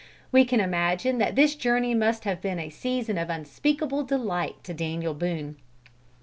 We can imagine that this journey must have been a season of unspeakable delight to Daniel Boone.